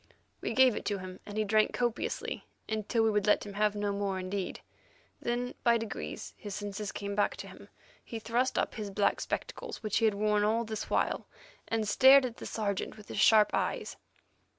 We gave it to him, and he drank copiously, until we would let him have no more indeed. Then, by degrees, his senses came back to him. He thrust up his black spectacles which he had worn all this while, and stared at the Sergeant with his sharp eyes.